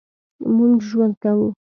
مونږ ژوند کوو